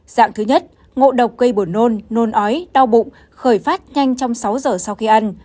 dạng thứ nhất ngộ độc gây buồn nôn nôn ói đau bụng khởi phát nhanh trong sáu giờ sau khi ăn